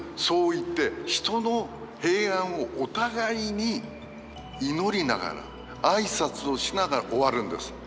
そう言って人の平安をお互いに祈りながら挨拶をしながら終わるんです。